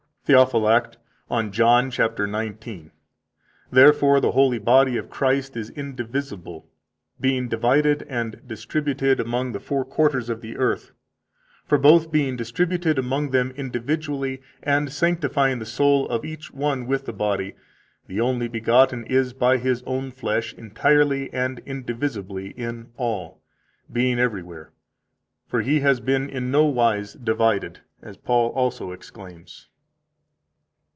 179 THEOPHYLACT, on John cap. 19 (f. 825, ed. cit.): "Therefore the holy body of Christ is indivisible, being divided and distributed among the four quarters of the earth; for both being distributed among them individually, and sanctifying the soul of each one with the body, the Only begotten is by His own flesh entirely and indivisibly in all, being everywhere; for He has been in no wise divided, as Paul also exclaims."